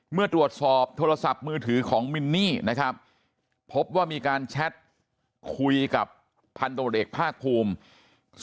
เมื่อตรวจสอบโทรศัพท์มือถือของมินนี่นะครับพบว่ามีการแชทคุยกับพันตรวจเอกภาคภูมิ